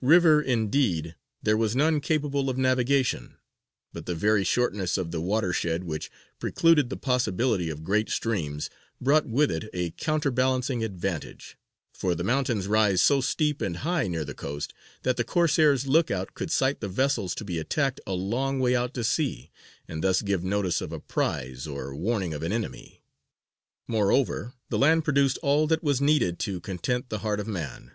River indeed there was none capable of navigation, but the very shortness of the watershed which precluded the possibility of great streams brought with it a counterbalancing advantage; for the mountains rise so steep and high near the coast that the Corsairs' look out could sight the vessels to be attacked a long way out to sea, and thus give notice of a prize or warning of an enemy. Moreover the land produced all that was needed to content the heart of man.